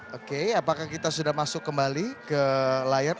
oke apakah kita sudah masuk kembali ke layar